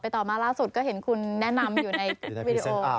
ต่อมาล่าสุดก็เห็นคุณแนะนำอยู่ในวีดีโอ